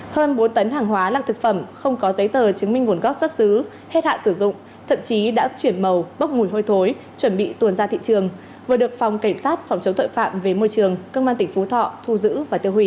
hơn bốn tấn hàng hóa là thực phẩm không có giấy tờ chứng minh nguồn gốc xuất xứ hết hạn sử dụng thậm chí đã chuyển màu bốc mùi hôi thối chuẩn bị tuồn ra thị trường vừa được phòng cảnh sát phòng chống tội phạm về môi trường công an tỉnh phú thọ thu giữ và tiêu hủy